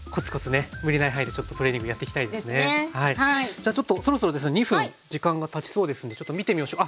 じゃあちょっとそろそろですね２分時間がたちそうですのでちょっと見てみましょう。